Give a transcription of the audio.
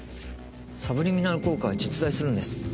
サブリミナル効果は実在するんです。